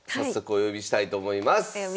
お呼びしたいと思います。